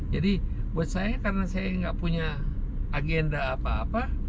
jadi buat saya karena saya tidak punya agenda apa apa